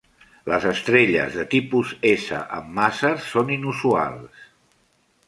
Les estrelles de tipus S amb màser són inusuals.